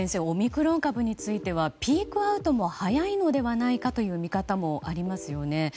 オミクロン株についてはピークアウトも早いのではないかという見方もありますよね。